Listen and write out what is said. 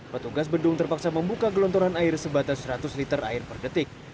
petugas bendung terpaksa membuka gelontoran air sebatas seratus liter air per detik